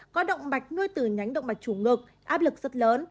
có động mạch nuôi từ nhánh động mạch chủ ngực áp lực rất lớn